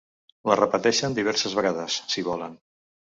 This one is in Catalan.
La repeteixen diverses vegades, si volen.